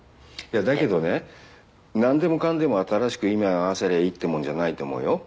だけどね何でもかんでも新しく今に合わせりゃいいってもんじゃないと思うよ。